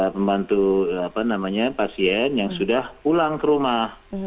pembantu apa namanya pasien yang sudah pulang ke rumah